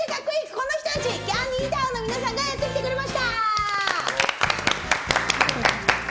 この人たち、ＫＡＮＤＹＴＯＷＮの皆さんがやってきてくれました！